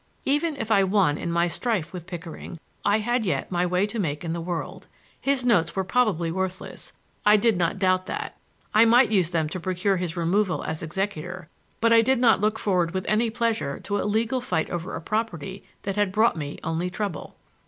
Even if I won in my strife with Pickering I had yet my way to make in the world. His notes were probably worthless, —I did not doubt that. I might use them to procure his removal as executor, but I did not look forward with any pleasure to a legal fight over a property that had brought me only trouble.